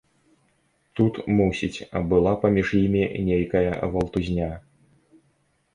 Тут, мусіць, была паміж імі нейкая валтузня.